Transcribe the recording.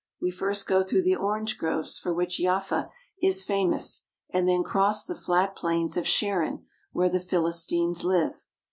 We first go through the orange groves for which Yafa is famous and then cross the flat plains of Sharon, where the Philistines lived.